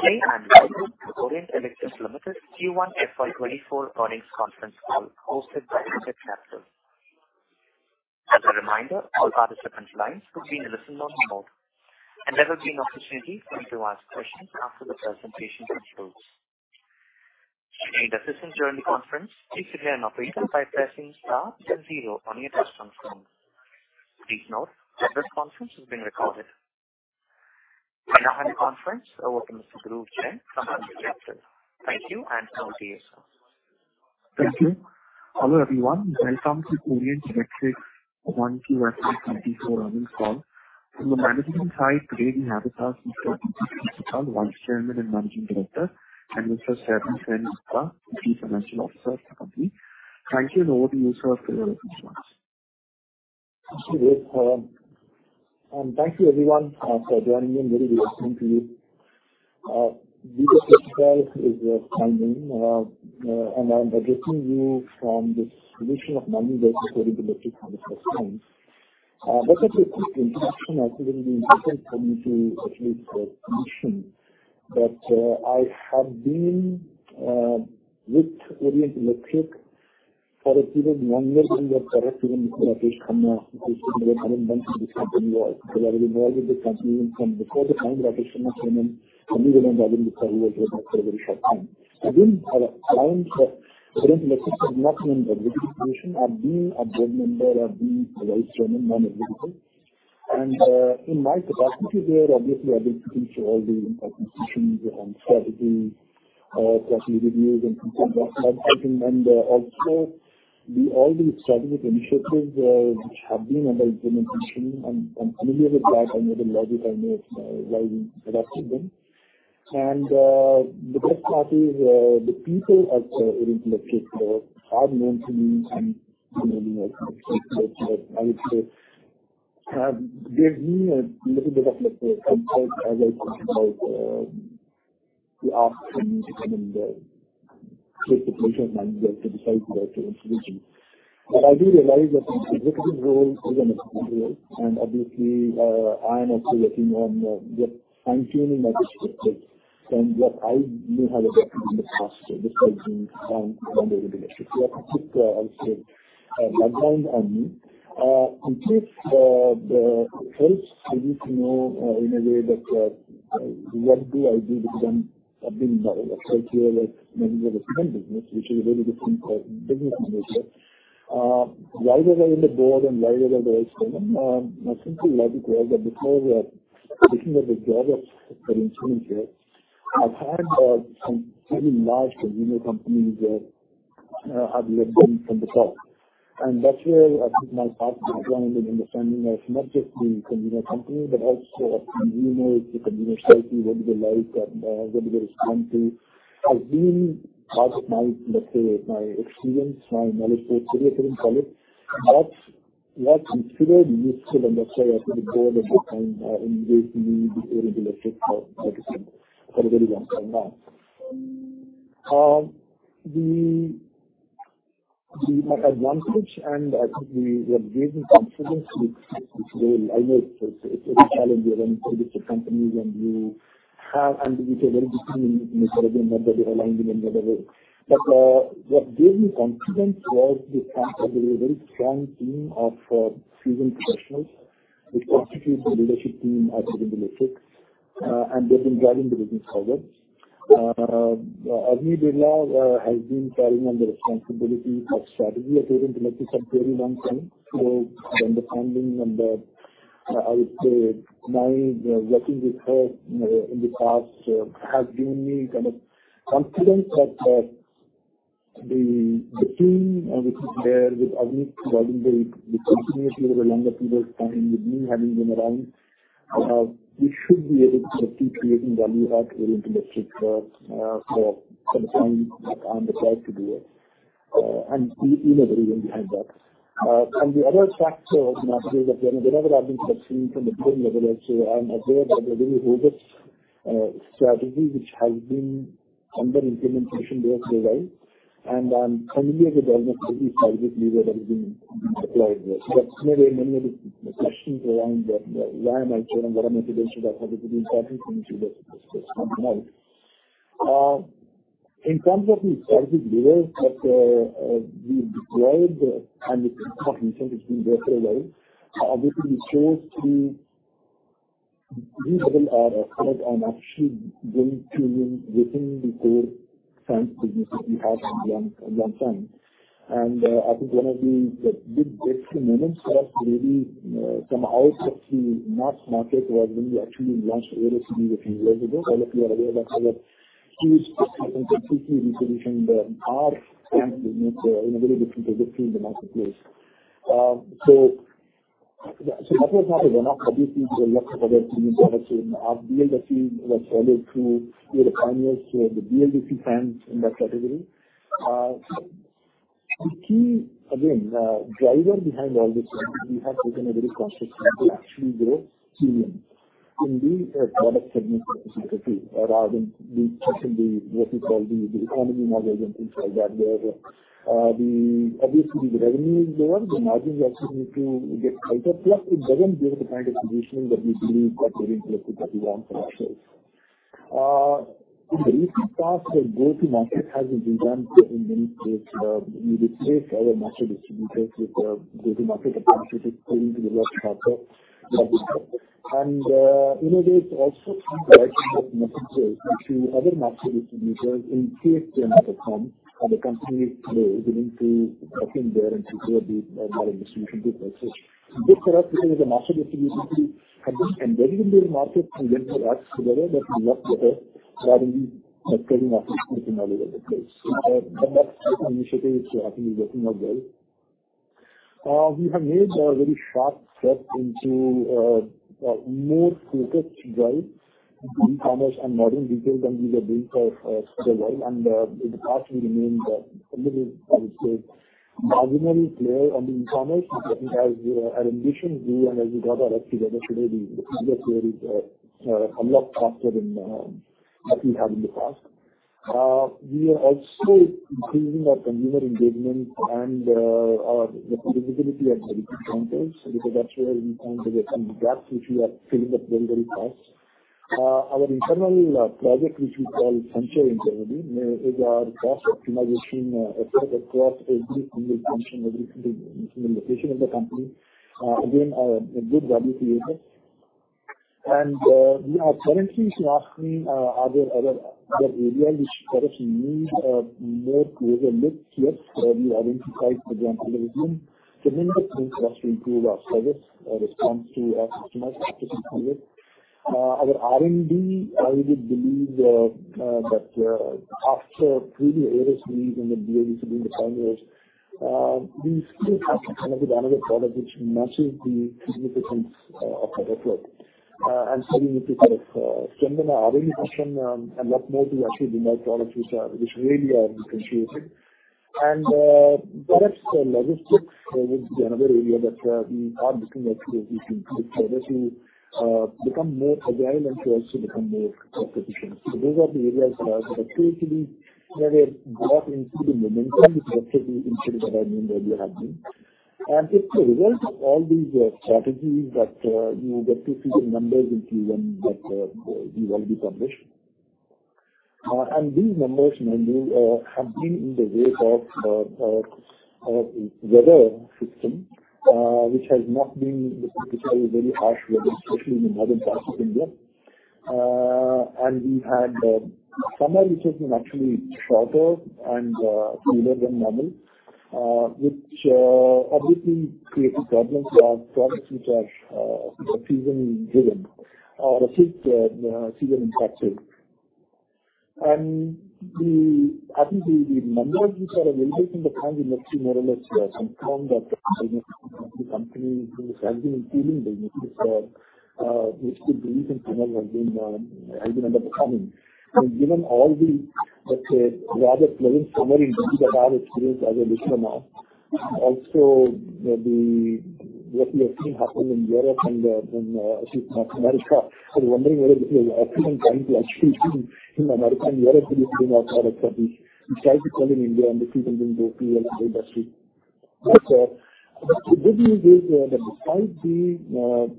Ladies and gentlemen, good day, welcome to Orient Electric Limited Q1 FY 2024 earnings conference call hosted by Ambit Capital. As a reminder, all participants' lines will be in a listen-only mode, and there will be an opportunity for you to ask questions after the presentation concludes. To assist during the conference, please again operate by pressing star then zero on your touchtone phone. Please note that this conference is being recorded. I now hand the conference over to Mr. Dhruv Jain from Ambit Capital. Thank you, and over to you, sir. Thank you. Hello, everyone. Welcome to Orient Electric Q1 FY 2024 earnings call. From the management side, today we have with us Mr. Deepak Khetrapal, Vice Chairman and Managing Director, and Mr. Saibal Sengupta, the Chief Financial Officer of the company. Thank you, and over to you, sir, for your opening remarks. Thank you, Dhruv, and thank you, everyone, for joining me. I'm very glad talking to you. Deepak Khetrapal is my name, and I'm addressing you from the position of Managing Director of Orient Electric for the first time. Just a quick introduction, I think it will be important for me to at least mention that I have been with Orient Electric for a even longer than the current even Mr. Rakesh Khanna, who was the Chairman when this company was. I was involved with the company even from before the time Rakesh Khanna came in, and even when Rajan Gupta, who was with us for a very short time. I've been at a time for Orient Electric, not in the executive position. I've been a board member, I've been a Vice Chairman, non-executive. In my capacity there, obviously, I've been through all the institutions and strategies, quarterly reviews and things like that. Also the-- all the strategic initiatives, which have been under implementation, I'm familiar with that and with the logic and why we adopted them. The best part is, the people at Orient Electric are known to me and, you know, I would say, have gave me a little bit of, like, a comfort as I think about the ask from me to come and take the position of manager to decide the direction and solution. I do realize that the executive role is an executive role, and obviously, I am also working on just fine-tuning my perspective from what I may have adopted in the past, besides being on board with Electric. That's a quick, I would say, background on me. In case, the helps for you to know, in a way that, what do I do with them? I've been involved, let's say, like, maybe with the sun business, which is a very different business nature. Why they are in the board and why they are the vice chairman, my simple logic was that before the, addition of the job that I'm doing here, I've had some very large consumer companies that have learned from the top. That's where I think my past background and understanding of not just the consumer company, but also the consumers, the consumer psyche, what do they like and what do they respond to, has been part of my, let's say, my experience, my knowledge for serious in college. That's, that considered useful, and let's say, as the board at the time, engaged me with Orient Electric for, for a very long time now. The, the advantage, and I think we were given confidence, which, which was either it's, it's a challenge when you go to companies and you have ambiguity, very different in whatever the alignment in whatever. What gave me confidence was the fact that there was a very strong team of, seasoned professionals, which constitute the leadership team at Orient Electric, and they've been driving the business forward. Avani Birla has been carrying on the responsibility of strategy at Orient Electric for a very long time. The understanding and the... I would say my working with her in the past has given me kind of confidence that the team which is there, with Avani involved, which continues for a longer period of time, with me having been around, we should be able to keep creating value at Orient Electric for some time, and I'm the proud to do it, and we believe in behind that. The other factor, you know, whenever I've been listening from the beginning level, I say I'm aware that there's a very robust strategy which has been under implementation day by day, and I'm familiar with the very private leader that has been applied there. That's maybe many of the questions around why am I here and what are my motivation? I thought it would be important for me to just come out. In terms of the strategic leaders that we deployed and the confidence which been there for a while, obviously shows the. These people are kind of actually going to within the core science business that we have a long, a long time. I think one of the big moments was maybe some out of the smart market where when we actually launched OECD a few years ago. All of you are aware that there were huge solutions that are in a very different position in the marketplace. So that was not enough. Obviously, there are lots of other teams, obviously, in our BLDC team was earlier to be the pioneers in the BLDC fans in that category. The key, again, driver behind all this, we have taken a very conscious to actually go premium in the product segment specifically, rather than the, what you call the economy models and things like that, where, obviously, the revenue is lower, the margins also need to get higher. Plus, it doesn't give the kind of positioning that we believe that we want for ourselves. In the recent past, the go-to-market has been redone in many cases. We replaced our master distributors with the go-to-market approach, which is going to work faster. You know, there's also some righting of messages to other master distributors in case they underperform, and the company is today willing to work in there and to build the modern distribution group. Good for us, because as a master distributor, and doesn't build market and then work together, but we work better rather than master distributor all over the place. That's the initiative, which I think is working out well. We have made a very sharp step into more focused drive in e-commerce and modern trade than we were built for a while. In the past, we remained a little, I would say, marginally clear on the e-commerce, because we have our ambition do and as you got our actually today, the figure here is a lot faster than what we had in the past. We are also building our consumer engagement and our visibility at medical counters, because actually we found there were some gaps which we are filling up very, very fast. Our internal project, which we call functional integrity, is our cost optimization effort across every single function, every single location of the company. Again, a good value creator. We are currently seeing other, other, other area which perhaps need more closer look here. We identified, for example, again, to improve our service response to our customers. Our R&D, I would believe, that after three years in the DVC, during the five years, we still have to come up with another product which matches the significance of our network. We need to sort of strengthen our organization and lot more to actually develop products which really are differentiated. Perhaps logistics would be another area that we are looking at to improve service, become more agile and to also become more efficient. Those are the areas that are clearly where we're brought into the momentum, which actually the initiatives that I mentioned earlier have been. It's a result of all these strategies that you get to see the numbers in Q1, that we will be published. These numbers normally have been in the way of a weather system, which has not been very harsh, especially in northern parts of India. We had summer, which has been actually shorter and cooler than normal, which obviously created problems for our products, which are seasonally driven or season impacted. The- I think the, the numbers which are available in the current industry, more or less, are some strong that the company, which has been improving businesses, which we believe in summer have been underperforming. Given all the, let's say, rather pleasant summary that I've experienced as a listener now, also the what we are seeing happen in Europe and in North America. I was wondering where the optimum time to actually see in America and Europe will be seeing our products that we started selling in India. The season didn't go too well for the industry. The good news is that despite the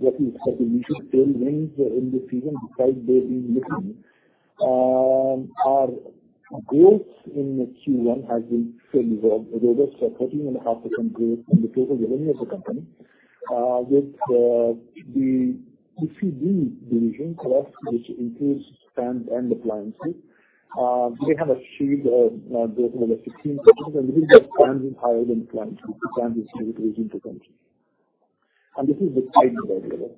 what we said, we should still wins in the season, despite there being missing. ch into country, and this is the target available.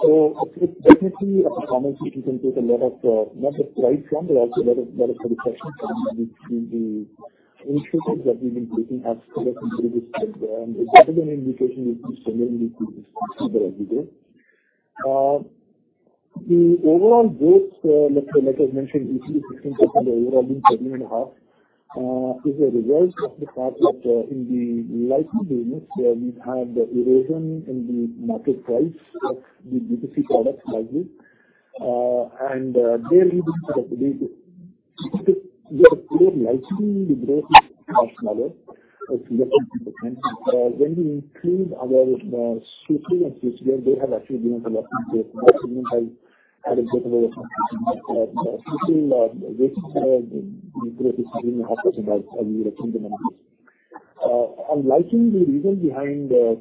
So it's definitely a conversation can put a lot of, not just right from, but also a lot of, lot of perception in the initiatives that we've been taking as well as in previous years. And it's definitely an indication which similarly to this every day, like I mentioned, 18%-16% overall, being 13.5%, is a result of the fact that in the lighting business, we've had erosion in the market price of the B2C products largely. And there we sort of be- we have a clear lighting, the growth is much smaller, less than 10%. When we include our switches and fixtures, where they have actually been able to work in place, that segment by adding additional, which, the growth is 13.5% as we retain the numbers Likely the reason behind the,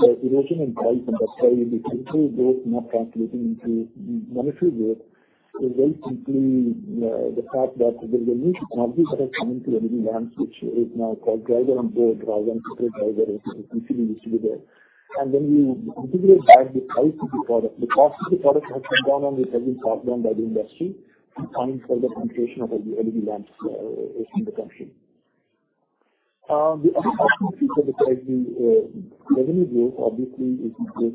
the erosion in price, and that's why in the central growth not translating into monetary growth is very simply, the fact that there is a new product that has come into LED lamps, which is now called driver-on-board. Driver-on-board driver is completely distributed. When we integrate back the price of the product, the cost of the product has come down, and it has been passed down by the industry and further penetration of LED lamps in the country. The other option for the revenue growth obviously is, is,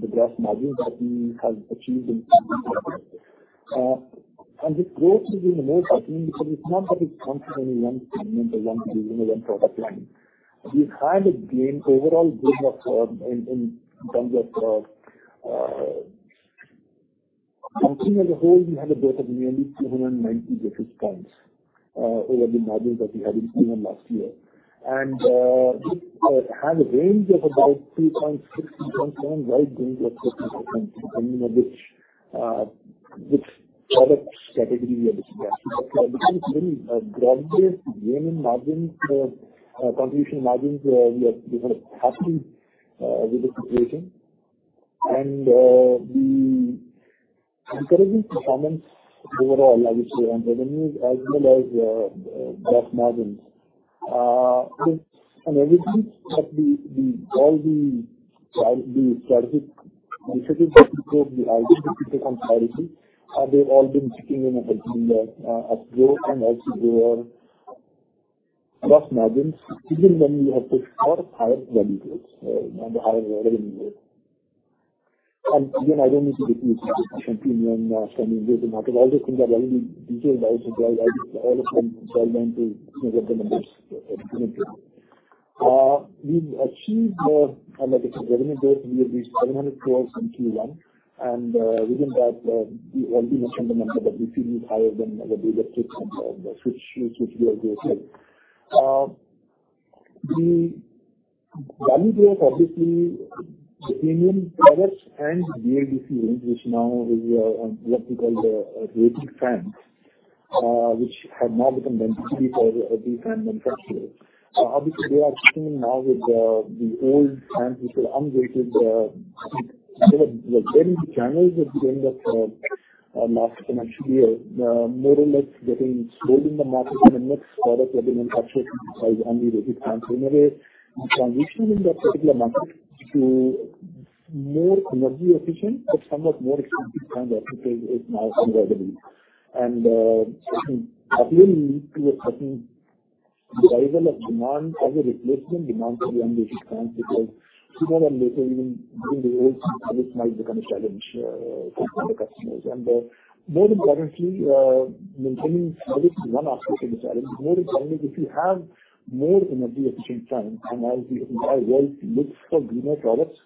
the gross margin that we have achieved in. This growth is even more exciting because it's not that it's coming from any one segment or one business or one product line. We've had a gain, overall gain of, in terms of, company as a whole, we had a growth of nearly 290 basis points. over the margins that we had in last year. We have a range of about 3.6, 3.7 wide range of 50%, depending on which, which product category we are looking at. Because it's really a gradual gain in margins, contribution margins, we are happy, with the situation. The encouraging performance overall, I would say, on revenues as well as, gross margins. Everything that we all the strategic initiatives that we took, the identity people on strategy, they've all been kicking in terms of growth and also lower gross margins, even when we have to put out higher value rates and higher revenue. Again, I don't need to repeat shampoo and some individual market. All these things are very detailed. I think all of them went to look at the numbers. We've achieved more on the revenue growth. We have reached 700 crore in Q1, and within that, we already mentioned the number, but we feel is higher than the data, which we are there. The value growth, obviously, the premium products and BLDC, which now is what we call the rated fans, which have now become mandatory for the manufacturers. Obviously, they are sitting now with the old fans, which were unrated. They were very channels at the end of last financial year, more or less getting sold in the market, and much product have been manufactured by unrated fans. Transitioning that particular market to more energy efficient, but somewhat more expensive than the official is now underway. I think lead to a certain level of demand as a replacement demand for the unrated fans, because sooner or later, even the old might become a challenge for the customers. More importantly, maintaining one aspect of the challenge. More importantly, if you have more energy efficient fans and as the entire world looks for greener products,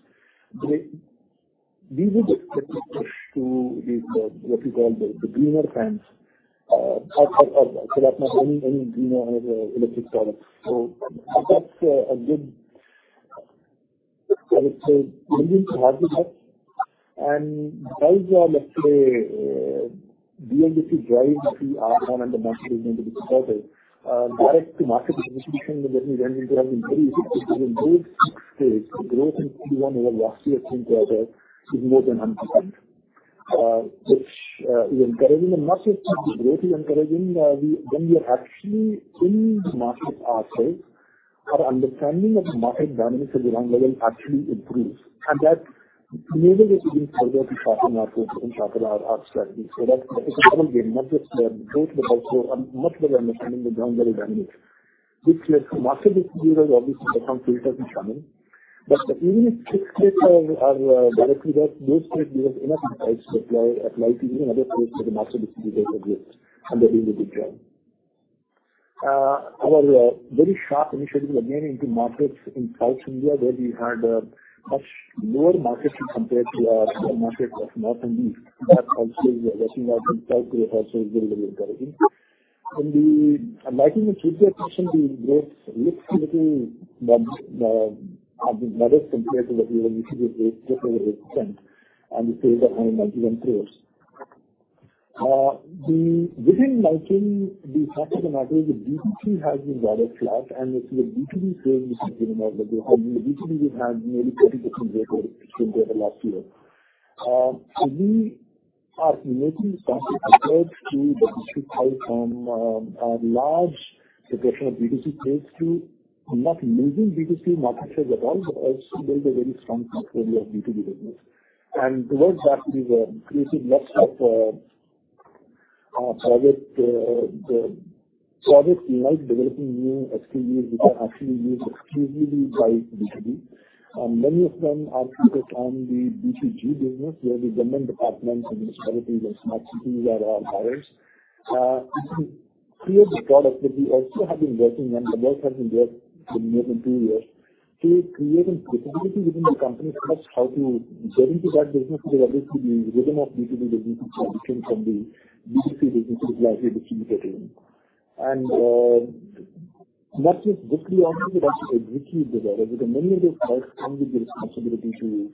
we would expect to push to what you call the greener fans, or any, any greener electric products. That's a good, I would say, engine to have you back. Those are, let's say, BLDC drive the R one and the market is going to be consulted. Direct to market distribution that we went into have increased. It is a growth stage. The growth in Q1 over last year came together is more than 100%, which is encouraging and much, much encouraging. When we are actually in the market ourselves, our understanding of the market dynamics at the ground level actually improves, and that enables us to be further to soften markets and sharpen our strategy. That's become again, not just the growth, but also much better understanding the ground very dynamic, which market distributors obviously become filters and coming. Even if six states are directly, that those states give us enough insights to apply to any other states that the market distributors are there, and they're doing a good job. Our very sharp initiative again, into markets in South India, where we had a much lower market share compared to our market of North and East. That also is working out in South also is very, very encouraging. In the Lighting and Switchgear Division, the growth looks a little better compared to what we were used to get over the trend, and the sales are INR 91 crore. The within 19, the fact of the matter is the B2C has been rather flat, and the B2B sales have been more. The B2B, we've had nearly 30% growth compared to last year. We are making some compared to the district on, a large proportion of B2C sales to not losing B2C market share at all, but also build a very strong portfolio of B2B business. Towards that, we were increasing lots of project, the project like developing new SKUs, which are actually used exclusively by B2B. Many of them are focused on the B2G business, where the government departments and municipalities and smart cities are our buyers. Clear the product that we also have been working on. The work has been there for more than two years to create a capability within the company as much how to get into that business, because obviously the rhythm of B2B business, which are different from the B2C business, is likely to be different. Not just literally, but also executive developer, because many of those come with the responsibility to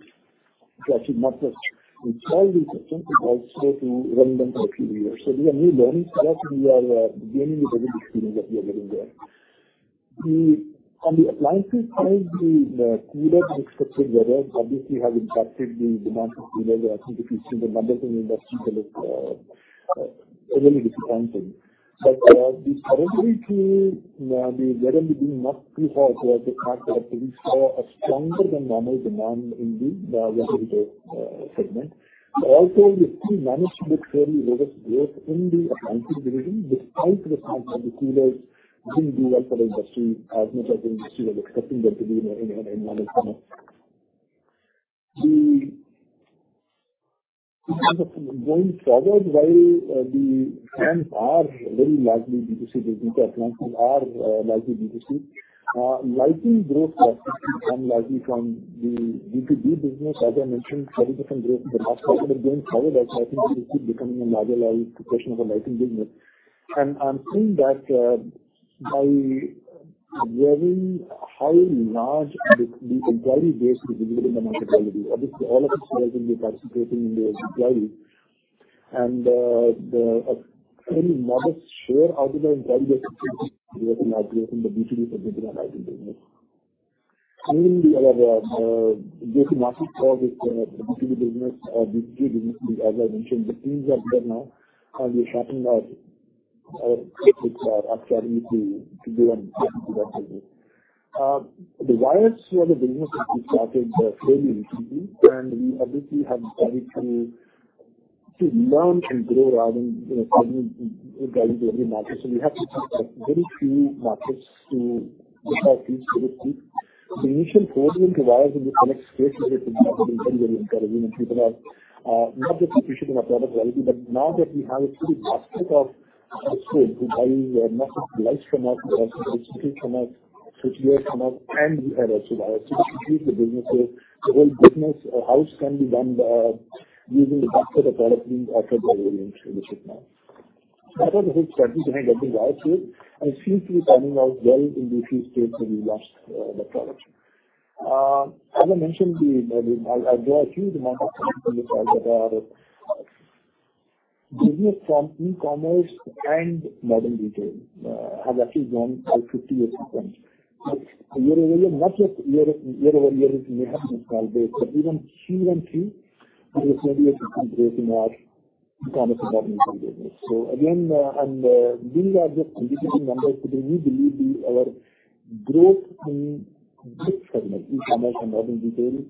actually not just install these systems, but also to run them for a few years. These are new learnings for us, and we are gaining a very good experience that we are getting there. On the appliances side, the cooler and expected weather obviously have impacted the demand for coolers. I think if you see the numbers in the industry, really difficult time for you. The currently, the weather will be much too hot, so I think we saw a stronger than normal demand in the segment. We still managed to get very robust growth in the appliances division, despite the fact that the coolers didn't do well for the industry as much as the industry was expecting them to be in our management. Going forward, while the fans are very largely B2C business, appliances are largely B2C. Lighting growth are unlikely from the B2B business. As I mentioned, 30% growth in the past year. Going forward, I think this is becoming a larger like profession of a lighting business. I'm seeing that very how large the, the employee base is within the marketability. Obviously, all of us will be participating in the employee and the a very modest share of the employee base from the B2B segment and IT business. Even the other market for this B2B business, B2B business, as I mentioned, the teams are there now, we sharpen our actually to, to give an to that business. The wires for the business, which we started very recently, we obviously have started to, to learn and grow rather than, you know, value to every market. We have to take a very few markets to get our feet. The initial ordering providers in the next space is very, very incredible, and people are not just appreciating our product quality, but now that we have a pretty basket of food, who buy not just lights from us, from us, switches from us, and we add also wires. This includes the businesses. The whole business house can be done using the basket of products being offered by variant in the ship now. That was a big strategy behind getting the wire too, and it seems to be turning out well in the few states where we launched the product. As I mentioned, I draw a huge amount of business from e-commerce, and modern trade has actually grown by 58%. year-over-year, not yet year-over-year, it may have been installed base, but even Q1 three, there was maybe a 50% growth in our e-commerce and modern business. Again, and these are just conditioning numbers, because we believe our growth in this segment, e-commerce and modern trade,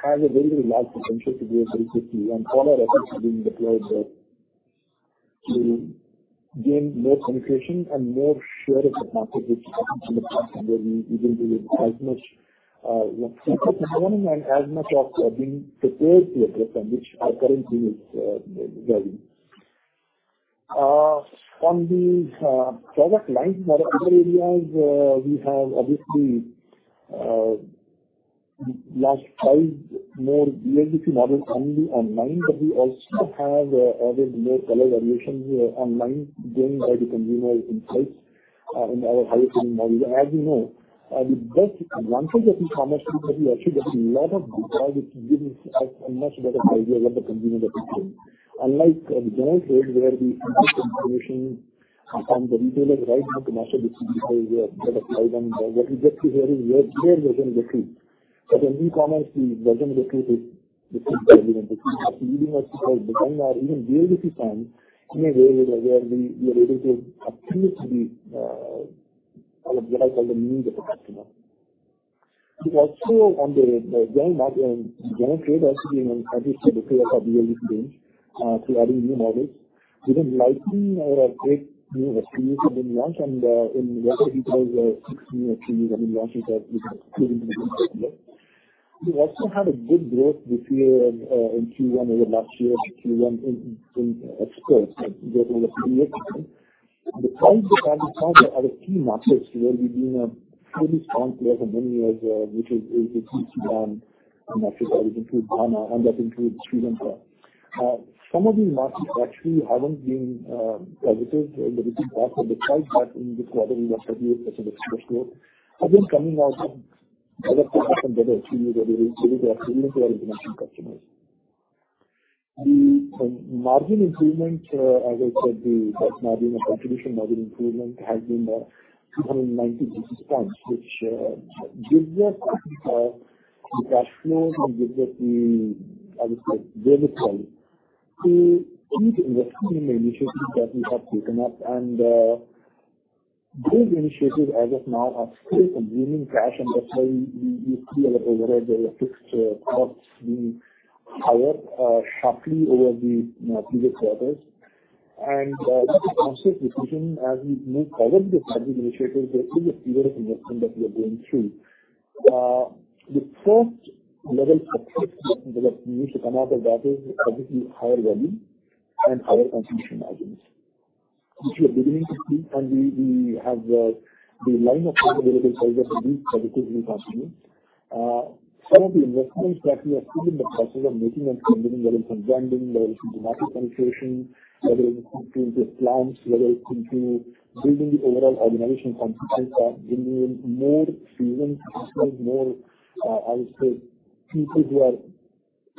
has a very, very large potential to grow very quickly, and all our efforts are being deployed there to gain more penetration and more share of the market, which we believe as much like and as much of being prepared to address and which our current team is very. On the product lines, other areas, we have obviously last five more BLDC model only online, but we also have other more color variations online gained by the consumer insights in our higher models. As you know, the best advantage of e-commerce is that you actually get a lot of data, which gives us a much better idea what the consumer gets. Unlike the general trade, where we get information from the retailers right into national decide on what we get to hear is where version retreat. In e-commerce, the version retreat is different. We must design our even BLDC plan in a way where we are able to appeal to the what I call the needs of the customer. We also on the general market and general trade, actually, you know, obviously the BLDC range through adding new models, even licensing our eight new SKUs. We launched on the, in retail, six new SKUs, I mean, launches that we've been doing. We also had a good growth this year in Q1 over last year, Q1 in, in scope over the previous time. Besides that, we found that our key markets, where we've been a pretty strong player for many years, which is, which is Sudan, and that includes Ghana, and that includes Sri Lanka. Some of these markets actually haven't been affected in the recent past, but the size back in this quarter, we were 38% of exports growth, are just coming out from better and better, even for our international customers. The margin improvement, as I said, the gross margin and contribution margin improvement has been 290 basis points, which gives us the cash flows and gives us the, I would say, very well to keep investing in the initiatives that we have taken up. Those initiatives as of now are still consuming cash, and that's why we see a lot of overhead, the fixed costs being higher, sharply over the previous quarters. This is a conscious decision as we move forward with strategic initiatives, there is a period of investment that we are going through. The first level of success that we need to come out of that is obviously higher value and higher contribution margins, which we are beginning to see, and we, we have the line of credit available for us to be continuously some of the investments that we are still in the process of making and continuing, whether it's in branding, whether it's in market penetration, whether it's into plants, whether it's into building the overall organization competence, bringing in more seasoned customers, more, I would say, people who are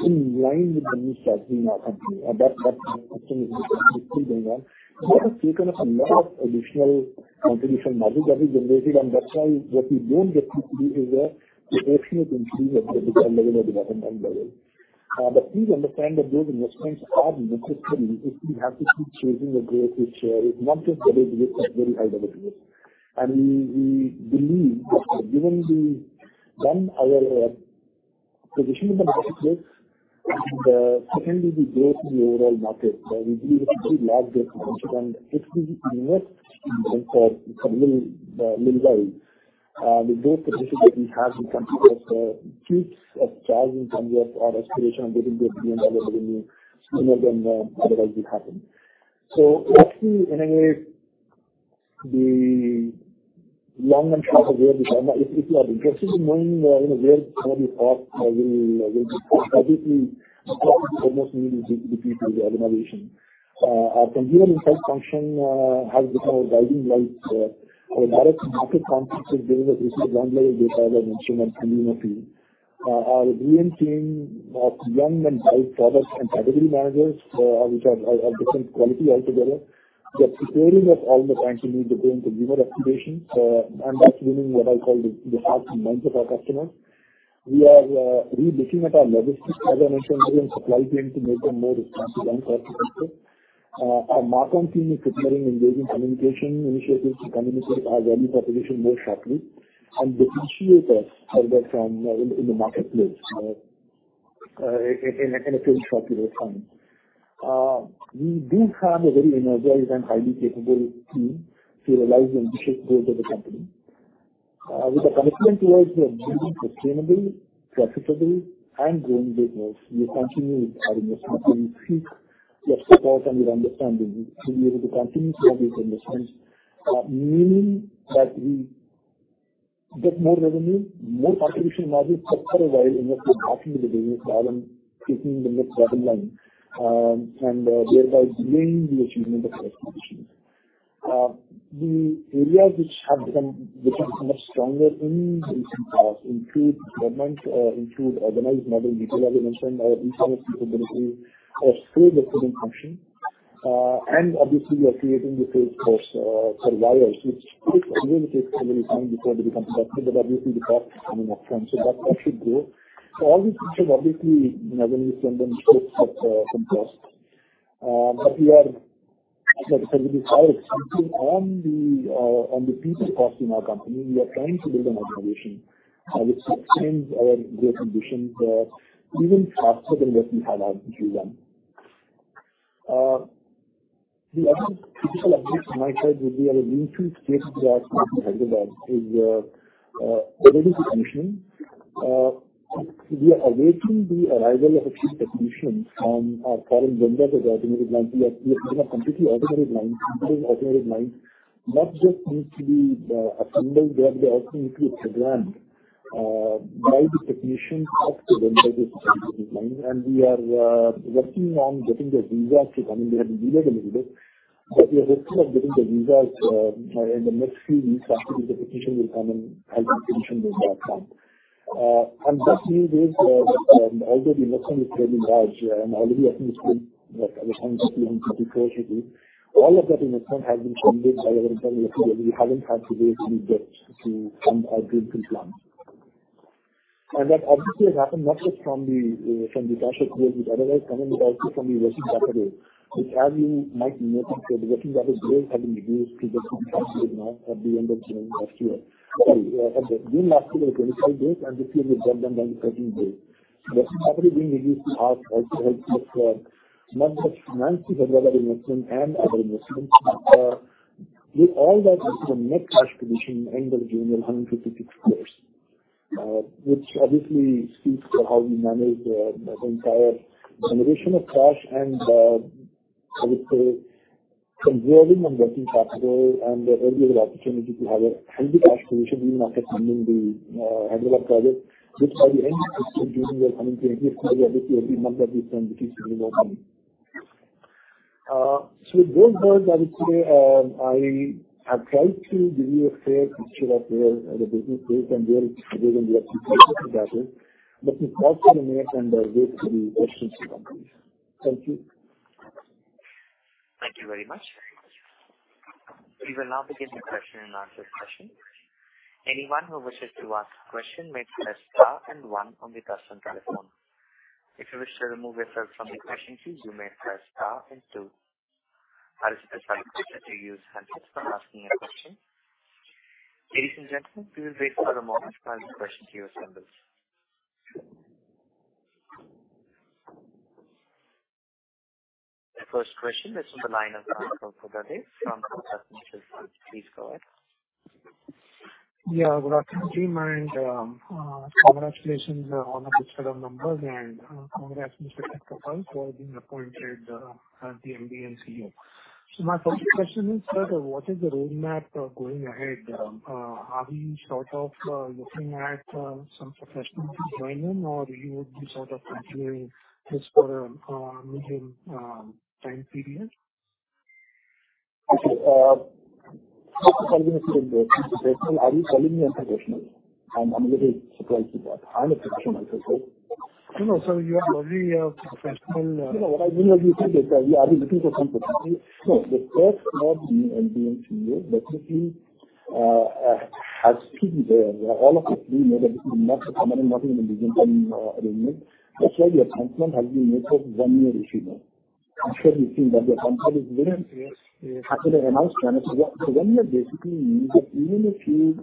in line with the new strategy in our company, and that, that is still going on. We have taken up a lot of additional contribution margin that is generated, and that's why what we don't get to see is a proportionate increase at the bottom line level. Please understand that those investments are necessary if we have to keep chasing the growth, which, if one just able to get a very high level of growth. We, we believe that given the... One, our position in the marketplace, and, secondly, the growth in the overall market, we believe a pretty large potential, and if we invest in for, for little, little while, the growth position that we have in terms of, peaks of charging somewhere or exploration and building the other within the sooner than, otherwise it happened. Actually, in a way, the long and short of where we are, if you are interested in knowing, you know, where some of these thoughts will, will be, obviously, almost need to be to the organization. Our consumer insight function has become our guiding light. Our direct-to-market conflicts is giving us a granular data, as I mentioned, and community. Our green team of young and bright product and category managers, which are a different quality altogether. They are preparing us all the time to meet the growing consumer expectations, and that's winning what I call the hearts and minds of our customers. We are relooking at our logistics as I mentioned, and supply chain to make them more responsive and cost-effective. Our mark-on team is preparing engaging communication initiatives to communicate our value proposition more sharply and differentiate us from in the marketplace in a very short period of time. We do have a very energized and highly capable team to realize the ambitious goals of the company. With a commitment towards being sustainable, profitable, and growing business, we continue with our investment. We seek your support and your understanding to be able to continue to have these investments, meaning that we get more revenue, more contribution margin for a while, invest it back into the business while I'm taking the next bottom line, thereby delaying the achievement of our expectations. The areas which have become, which have become much stronger in recent past include government, include organized model retailer, we mentioned our e-commerce capability, our trade working function. Obviously we are creating the base for wires, which will really take some time before they become successful, but obviously the box coming up, so that should go. All these things have obviously, you know, when you send them, take some cost. We are, as I said, we are focusing on the people cost in our company. We are trying to build an organization, which sustains our growth ambitions, even faster than what we have actually done. The other critical update from my side would be our new state draft in Hyderabad is ready to commission. We are awaiting the arrival of a chief technician from our current vendor of the automated line. We are building a completely automated line. Building an automated line not just needs to be assembled there, but they also need to be programmed by the technician of the vendor line. We are working on getting the visa to come in. They have delayed a little bit, but we are hoping of getting the visas in the next few weeks after the technician will come and help the commission with that time. That new base, already working with Miraj and already, I think it's great that I was talking to him before she did. All of that investment has been funded by our internal team. We haven't had to raise any debt to fund our growth and plans. That obviously has happened not just from the from the cash flow, which otherwise come in, but also from the working capital, which as you might notice, so the working capital days have been reduced to the at the end of last year. Sorry, during last year, 25 days, and this year we got them by 13 days. Working capital being reduced to us also helps us not just financially for other investment and other investments. With all that into the net cash position, end of June, 156 crore, which obviously speaks to how we manage the entire generation of cash and I would say conserving and working capital and every other opportunity to have a healthy cash position even after funding the Hyderabad project, which by the end of June, we are coming to increase because obviously every month that we spend, it is giving more money. With those words, I would say, I have tried to give you a fair picture of where the business is and where it's going to be but it's also remain under way to the questions and comments. Thank you. Thank you very much. We will now begin the question and answer session. Anyone who wishes to ask a question may press star and one on the touch-tone telephone. If you wish to remove yourself from the question queue, you may press star and two. I refer to use hand for asking a question. Ladies and gentlemen, we will wait for a moment while the question queue assembles. The first question is from the line of from Bhargav Buddhadev from Kotak Mutual Fund. Please go ahead. Yeah, good afternoon, team, and congratulations on a good set of numbers, and congrats to Mr. Khetrapal for being appointed as the MD & CEO. My first question is, sir, what is the roadmap going ahead? Are we sort of looking at some professionals to join in, or you would be sort of continuing this for medium time period? Okay. just to clarify, are you calling me a professional? I'm, I'm a little surprised with that. I'm a professional myself. No, no, sir, you are very professional. No, what I really think is, are we looking for some professionals? The first part, being MD & CEO, definitely, as should be, all of us we know that this is not a permanent, not an individual, arrangement. That's why the announcement has been made for one year, if you know. I'm sure you've seen that the announcement is made. Yes, yes. After the announcement, one year basically means that even if you,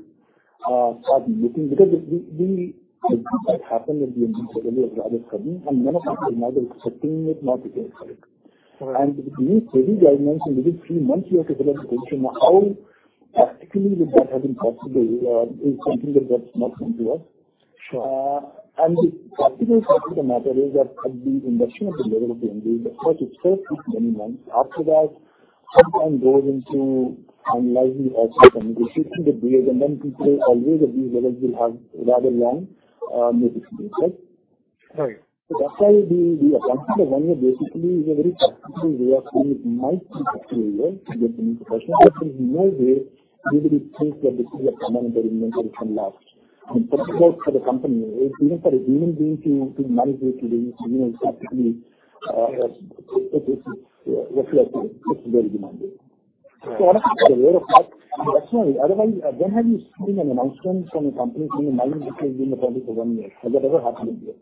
start looking, because it will, it might happen that the interview was rather sudden, and none of us were not expecting it, not to get it. Correct. Doing steady guidelines in within three months, you have to build a question, how practically would that have been possible? Is something that, that's not come to us. Sure. The practical side of the matter is that at the induction of the level of the engagement, so to first meet many months after that, sometime goes into analyzing, also communicating the deals, and then people always agree whether we have rather long notice period, right? Right. So that's why the, the appointment of one year, basically, is a very practical way of saying it might be possible here to get the professional, but in no way does it change the decision of permanent or last. First of all, for the company, even for a human being to, to manage these things, you know, practically, it's, it's, it's very demanding. Otherwise, when have you seen an announcement from a company saying nine, which has been the company for one year? Has that ever happened before?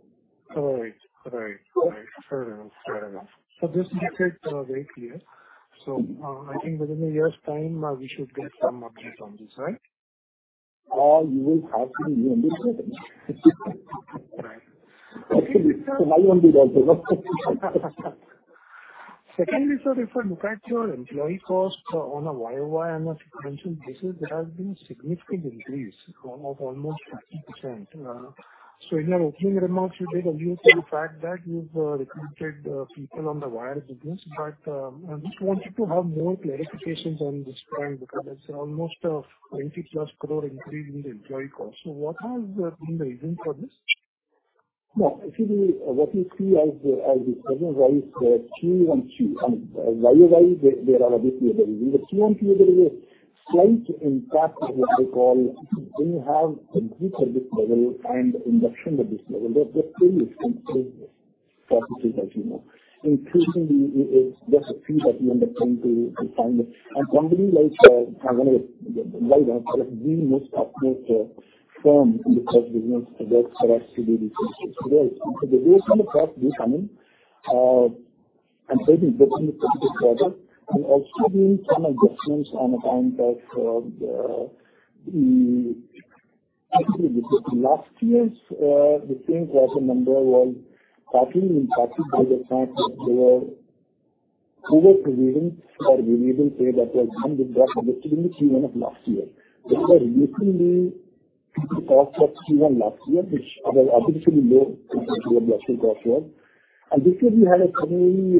Right. Right, right. Fair enough. Fair enough. Just to get it, very clear. I think within 1 year's time, we should get some updates on this, right? You will have the new ambition. Right. I won't be there. Secondly, sir, if I look at your employee cost on a YoY and a sequential basis, there has been a significant increase of almost 50%. In your opening remarks, you made a view to the fact that you've recruited people on the wire business. But, I just want you to have more clarifications on this point, because it's almost an 20+ crore increase in the employee cost. What has been the reason for this? Actually, what you see as the, as the problem, right? Is the QoQ. I mean, YoY, there are obviously a reason. The QoQ, there is a slight impact of what they call, when you have a peak at this level and induction at this level, there, there is processes, as you know. Increasing the, is just a few that we undertake to, to find a company like, one of the wider, the most utmost, firm in the first business that for us to do the research. There is some cost this coming, and certain specific project and also doing some adjustments on account of the-- actually, last year's, the same quarter number was partly impacted by the fact that there were over-provision for revision pay that was done with that in the Q1 of last year. These were recently people cost of Q1 last year, which was artificially low compared to what the actual cost was. This year we had a company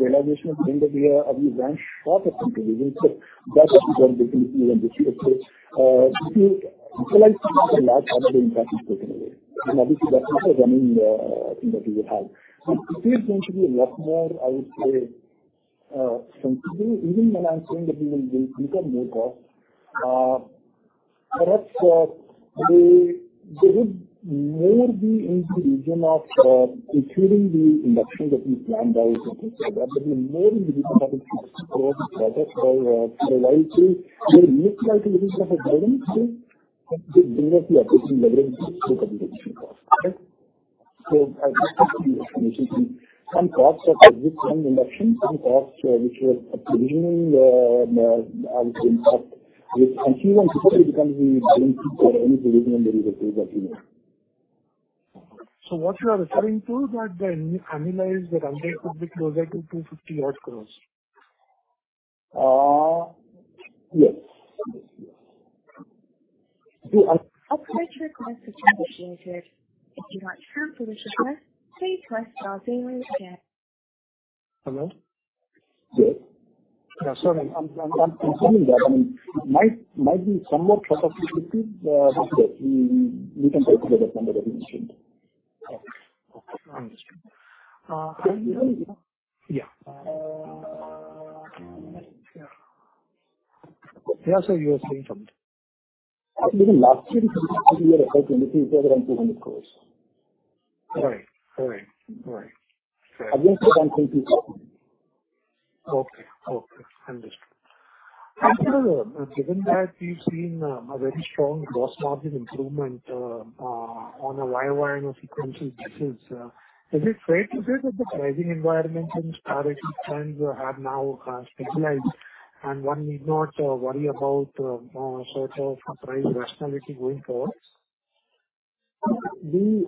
realization of saying that we are, we grant half of the provision. That was basically even this year. This year, a large amount of impact is taken away, and obviously, that's not a running thing that we would have. This year is going to be a lot more, I would say, something, even when I'm saying that we will incur more costs, perhaps, they, they would more be in the region of including the induction that we planned out and so forth. We're more in the region of INR 60 crore project for Y2. They look like a little bit of a burden until they bring us the operating leverage, it will soak up these additional costs. Right? I think the explanation from some cost of this one induction, some cost which was a provisioning impact with and even probably become the any provision under the table that you know. What you are referring to that the annualize that number could be closer to INR 250-odd crore? Yes. Yes, yes. Apply your request to finish it. If you want to cancel this request, please press star zero again. Hello? Yes. Yeah, sorry. I'm confirming that. I mean, might be somewhat possibly repeat this year. We can take together number that we should. Okay. Okay, I understand. Yeah. Yeah. Yeah, you are saying something. Even last year, we were affecting this is the other INR 200 crore. Right. Right. Right. Against the 157. Okay. Okay, I understand. Given that you've seen a very strong gross margin improvement on a YoY and a sequential basis, is it fair to say that the pricing environment and strategic trends have now stabilized, and one need not worry about sort of price rationality going forward? The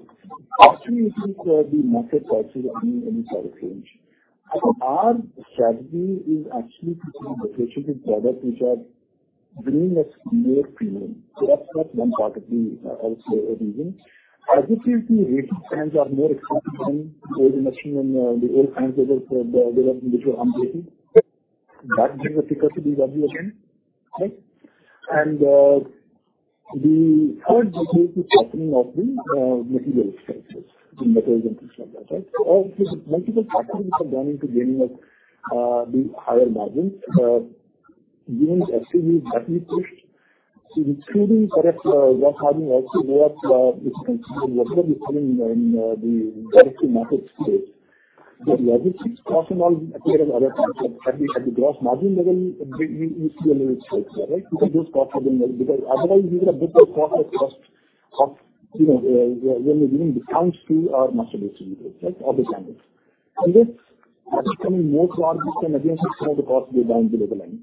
actually the market prices are in the product range. Our strategy is actually to bring the strategic products which are bringing a clear premium. That's not one part of the reason. I think the rating trends are more expensive than the machine and the old trends that were there were on rating. That gives a frequency W again, right? The third case is happening of the material expenses in materials and things like that, right? Obviously, multiple factors which have gone into bringing up the higher margins. Given the actually that we pushed to excluding product, gross margin also lower, difficult than what we are seeing in the direct market space. The logistics cost and all at the, at the gross margin level, we see a little stretch there, right? Because those costs are being... Otherwise, these are a bit of cost, of cost of, you know, when we're giving discounts to our master distributor, right? The channels. Becoming more broad, this can again become the cost way down below the line.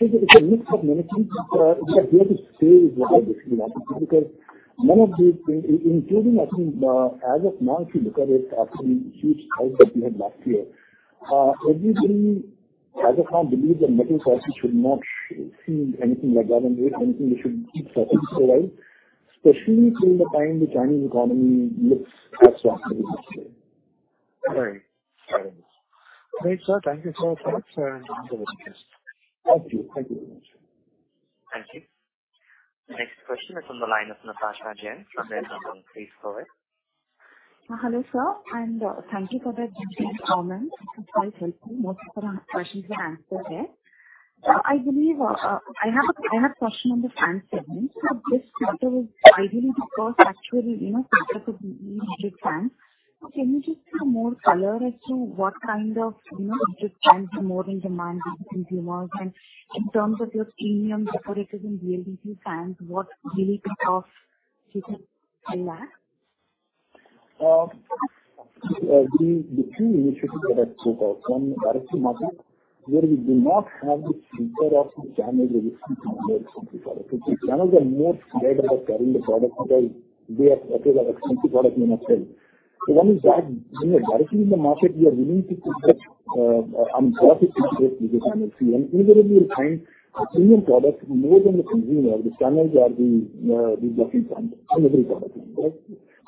It's a mix of many things. Fair to say is what I basically want to, because including, I think, as of now, if you look at it, actually, huge hike that we had last year, everybody as of now believes that metal sources should not see anything like that and anything they should keep certain, right? Especially till the time the Chinese economy looks as strong as it is today. Right. Right. Great, sir. Thank you so much for the request. Thank you. Thank you very much. Thank you. Next question is on the line of Natasha Jain from Nirmal Bang. Please go ahead. Hello, sir, and thank you for the detailed comments. It's quite helpful. Most of our questions were answered there. I believe I have a question on the fan segment. This quarter was ideally the first actually quarter for the LED fans. Can you just give more color as to what kind of which fans are more in demand with the consumers? In terms of your premium decorative and BLDC fans, what really you can unlock? The, the two initiatives that I took out from directly market, where we do not have the fear of the damage related to the product. Channels are more scared about carrying the product because they are, okay, they are expensive product in itself. One is that, you know, directly in the market, we are willing to take that risk with this energy, and inevitably you'll find a premium product more than the consumer. The channels are the blocking factor in every product, right?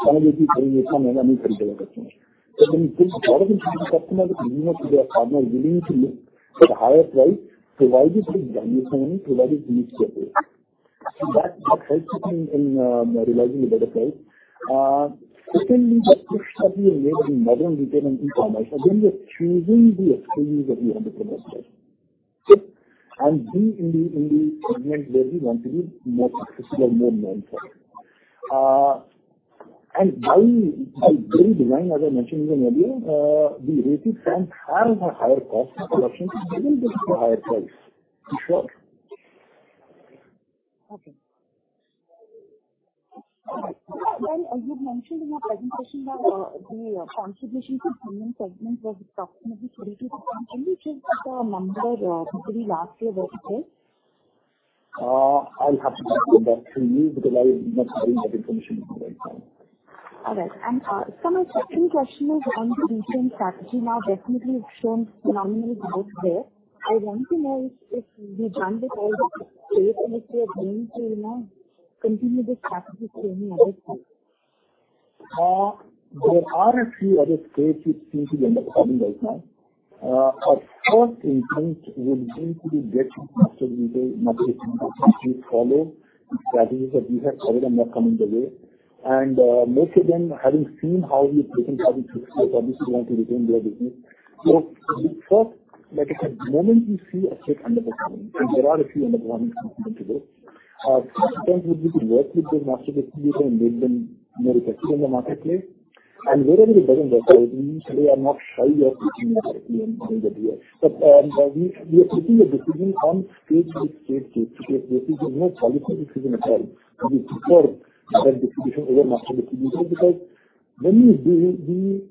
Somebody will be telling you some money for development. When you take a lot of the customer, the customer, they are not willing to look at higher price, provided it is damage, provided it's mixed with. That helps you in, in realizing a better price. Secondly, the shift that we made in modern trade and e-commerce, again, we're choosing the exclusives that we want to invest in. Okay? Be in the, in the segment where we want to be more successful, more known for. By, by doing design, as I mentioned even earlier, the AC fans have a higher cost of production, so they will get a higher price. Sure. Okay. Well, you had mentioned in your presentation that, the contribution to premium segment was approximately 32%. Can you check if the number, for the last year was it? I'll have to get back to you because I do not have that information at the right time. All right. So my second question is on the recent strategy. Definitely it's shown phenomenal growth there. I want to know if we done with all the states, and if we are going to, you know, continue this strategy to any other state? There are a few other states which seem to be underperforming right now. Our first intent will be to get master retailer marketplace. We follow the strategies that we have followed and they're coming the way. Most of them, having seen how we've taken 1,006, obviously want to retain their business. The first, like the moment we see a state underperforming, and there are a few underperforming states today, first attempt would be to work with the master distributor and make them more effective in the marketplace. Wherever it doesn't work out, we are not shy of taking the decision that we are. We, we are taking a decision on state by state basis, because it's not policy decision at all. We prefer that distribution over master distributor, because when you do,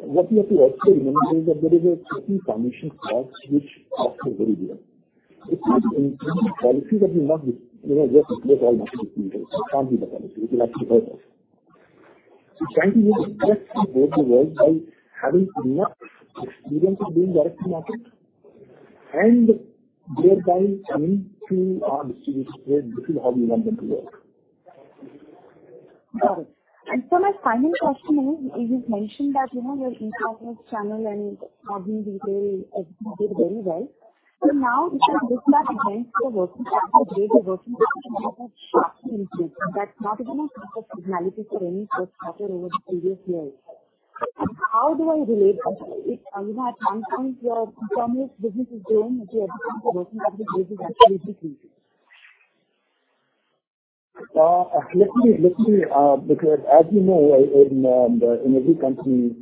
what you have to also remember is that there is a certain commission cost which costs are very different. It's not a policy that will not, you know, just all master distributors, can't be the policy, which will actually work. Trying to use best both the world by having enough dealers to build directly market and thereby coming to our distribution. This is how we want them to work. Got it. My final question is, you've mentioned that, you know, your e-commerce channel and modern trade did very well. Now if you look back against the working capital, the working capital has sharply increased. That's not a good signal for any first quarter over the previous years. How do I relate it? You know, at one point, your e-commerce business is growing, at what point the working capital is actually increasing. Let me, let me... Because as you know, in every country,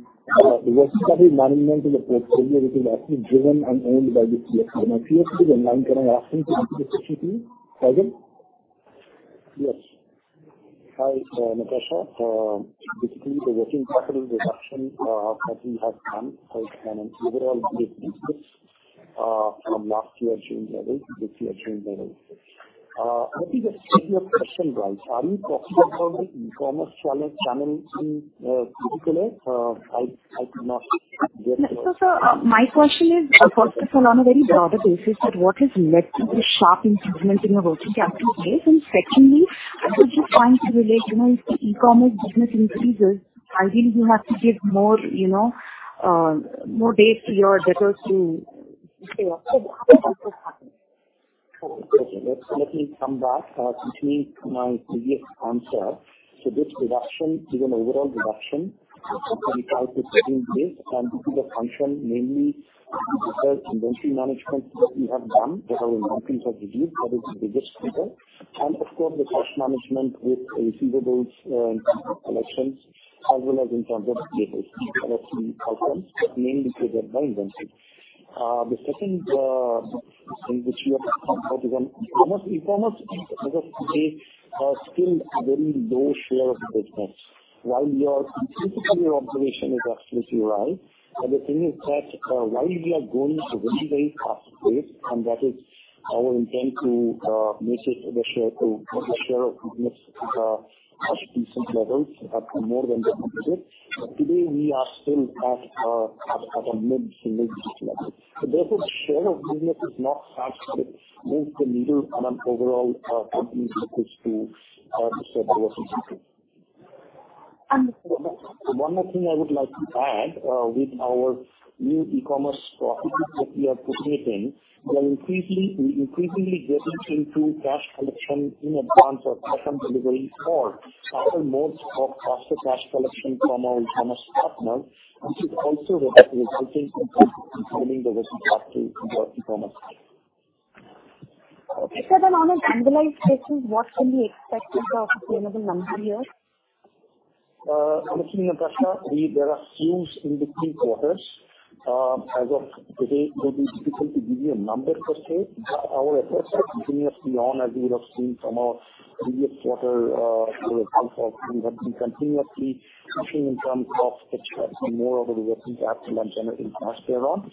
the working capital management is a portfolio which is actually driven and owned by the CFO. My CFO is online. Can I ask him to answer this question? Arjun? Yes. Hi, Natasha. Basically, the working capital reduction that we have done is an overall business from last year June levels to this year June levels. Let me just check your question, right. Are you talking about the e-commerce channel, channel in particular? I, I could not get your- Sir, my question is, first of all, on a very broader basis, that what has led to the sharp increase in your working capital base? Secondly, I was just trying to relate, you know, if the e-commerce business increases, ideally, you have to give more, you know, more days to your debtors to pay off. Okay, let me come back. Continuing my previous answer. This reduction is an overall reduction from 25 to 17 days, and this is a function, mainly because inventory management, we have done that our inventories have reduced. That is the biggest factor. Of course, the cash management with receivables, collections, as well as in terms of debtors. Those are the three outcomes, mainly driven by inventory. The 2nd thing which you have talked about is on e-commerce. E-commerce, because today, still a very low share of the business. While basically, your observation is absolutely right, the thing is that, while we are growing at a very, very fast rate, and that is our intent to make it the share to, the share of business at decent levels, more than double digits. Today we are still at a mid-single digit level. Therefore, share of business is not such that it moves the needle on an overall company's focus to serve the working capital. One more thing I would like to add with our new e-commerce strategy that we are putting it in, we are increasingly, we increasingly getting into cash collection in advance of customer delivery or other modes of faster cash collection from our e-commerce partners, which is also helping to improve the working capital in our e-commerce. Sir, on a annualized basis, what can we expect in terms of another number here? Listen, Natasha, there are clues in the three quarters. As of today, it would be difficult to give you a number per se, but our efforts are continuously on, as you would have seen from our previous quarter, results of we have been continuously pushing in terms of extracting more of the working capital and generating cash there on.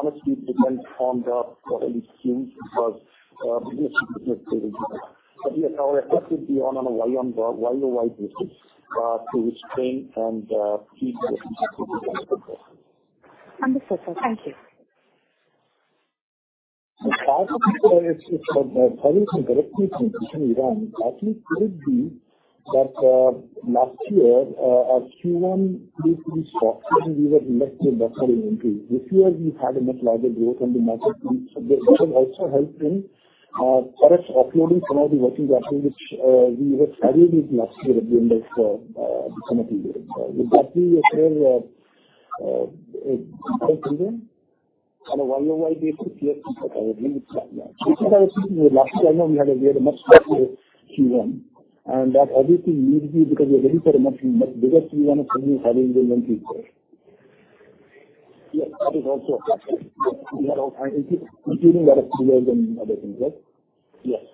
Honestly, it depends on the quarterly schemes, because, previous business but yes, our efforts would be on, on a YoY basis, to restrain and, keep the Understood, sir. Thank you. If I can correct you, Krishan Iran, actually could be that last year, our Q1, we were less than that entry. This year, we had a much larger growth on the market, which also helped in correct offloading some of the working capital, which we were carrying it last year at the end of the financial year. That we were still. On a YoY basis. Yes, I agree with that. Last year, I know we had a much better Q1. That obviously needs to be because we are ready for a much, much bigger Q1 than we had in the previous year. Yes, that is also- Including other players and other things, right? Yes.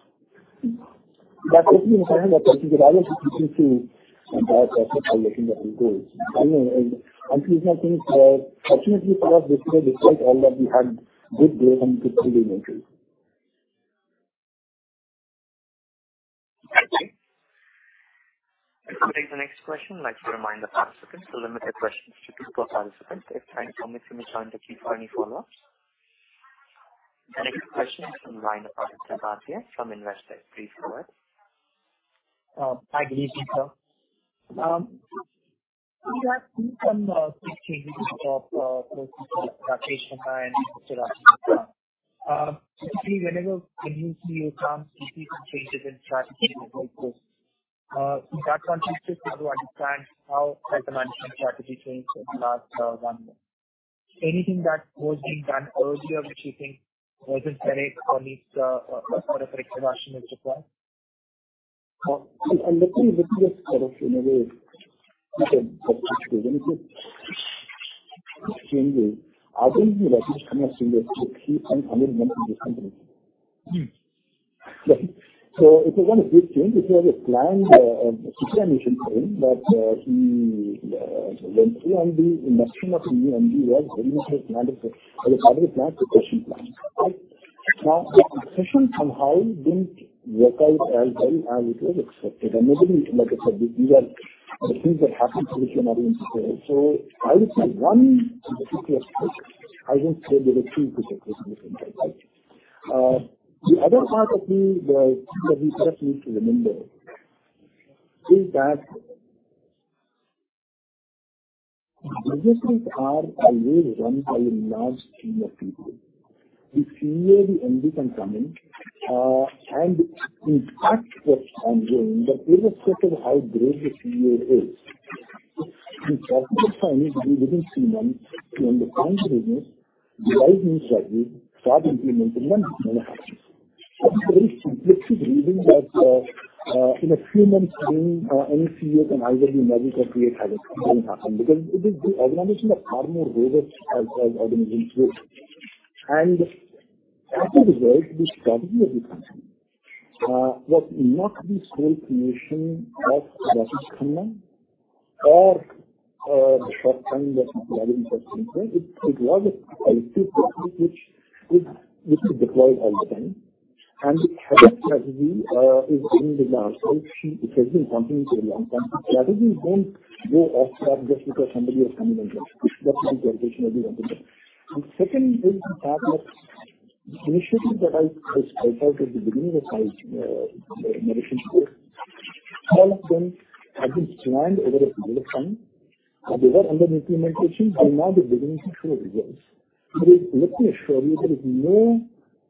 That is the reason that I was teaching to that collection that goes. I know. Unfortunately for us, despite all that, we had good growth on the Q3 entry. Thank you. We'll take the next question. I'd like to remind the participants to limit their questions to two per participant if trying to commit, you may try to keep any follow-ups. The next question is from line of Aditya Bhartia from Investec. Please go ahead. Hi, good evening sir. We have seen some big changes in top rotation and so on. Basically, whenever a new CEO comes, we see some changes in strategy like this. That one shift to understand how has the management strategy changed in the last one month. Anything that was being done earlier, which you think wasn't correct or needs a correct direction is required? Let me just sort of in a way, change it. I think that is coming up with this company. Mm. Yeah. It was not a big change, it was a planned succession plan, but he on the induction of the new MD was very much planned for. It was part of the session plan. The session somehow didn't work out as well as it was expected, and nobody, like I said, these are the things that happen to everybody in today. I would say one particular point, I wouldn't say there were two particular things, right? The other part of the that we just need to remember is that businesses are always run by a large team of people. The CEO, the MD can come in and impact what's ongoing, but irrespective of how great the CEO is, it's possible to find within C1 and understand the business, revise new strategy, start implementing, and it happens. It's a very simplistic reason that, in a few months time, any CEO can either be magic or create haven't happened, because it is the organization of far more robust as organization today. And as a result, the strategy of the company, was not the sole creation of Rakesh Khanna or, the short time that he was in the company. It, it was a process which is deployed all the time, and the current strategy, is in the last-- it has been continuing for a long time. Strategies don't go off track just because somebody has come in and said, "This is the organization I want to do." The second is the fact that the initiatives that I, I spelled out at the beginning of my presentation today, all of them have been planned over a period of time, and they were under implementation, and now they're beginning to show results. Let me assure you, there is no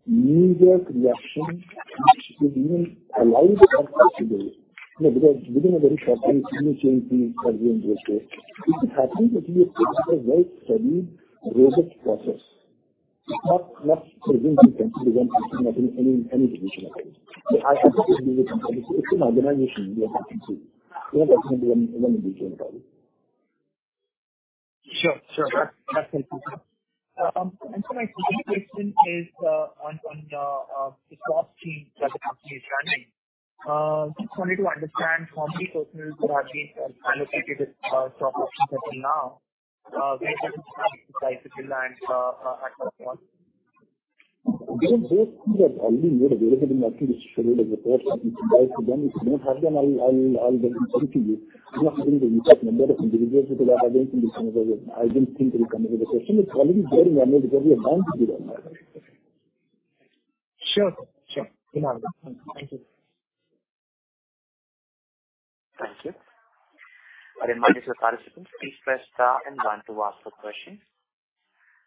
knee-jerk reaction which would even allow the possibility. No, because within a very short time, new changes are being made here. It is happening that we have taken a very studied, robust process. It's not, not something you can do in any, any division at all. I think it's an organization we are talking to. We are not talking to one individual about it. Sure, sure. That's helpful. My second question is on the swap team that the company is running. Just wanted to understand how many personnel that have been allocated to swap option until now, where does it land at what point? They see that have been made available in actually scheduled as a first to them. If not, then I'll, I'll, I'll get it to you. I'm not having the exact number of individuals that are against this. I didn't think to come to the question. It's already there because we are bound to do that. Sure, sure. Thank you. Thank you. I remind you, participants, please press star and one to ask a question.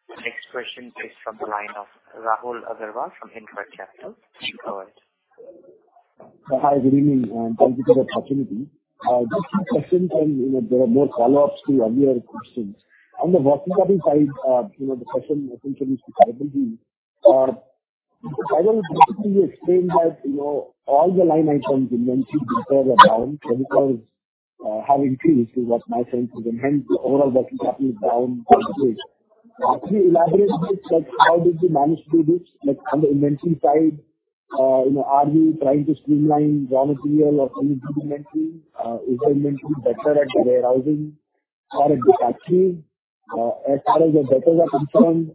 The next question is from the line of Rahul Agarwal from InCred Capital. Please go ahead. Hi, good evening, thank you for the opportunity. Just a few questions, you know, there are more follow-ups to earlier questions. On the working capital side, you know, the question essentially is to Karalji. Karalji, basically you explained that, you know, all the line items inventory before were down, creditors have increased, is what my sense is, hence the overall working capital is down completely. Can you elaborate a bit that how did you manage to do this? Like, on the inventory side, you know, are you trying to streamline raw material or inventory? Is the inventory better at the warehousing or at the factory? As far as the debtors are concerned,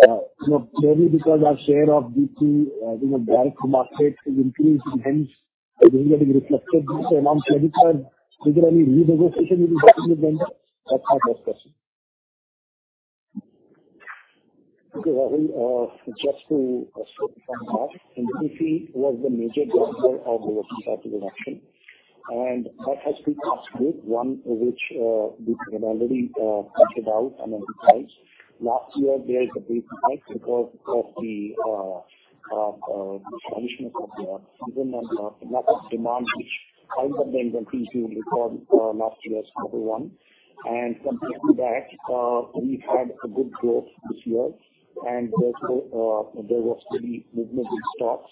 you know, maybe because our share of B2C, you know, direct market is increasing, hence this is getting reflected among creditors. Is there any renegotiation with the vendors? That's my first question. Okay, Rahul, just to start from last. NCC was the major driver of the working capital reduction, and that has two parts to it, one of which, we had already pointed out and emphasized. Last year there is a big effect because of the transition of the season and the lack of demand, which caused the inventory to record last year's number one. And compared to that, we've had a good growth this year, and therefore, there was steady movement in stocks,